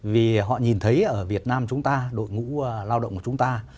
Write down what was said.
vì họ nhìn thấy ở việt nam chúng ta đội ngũ lao động của chúng ta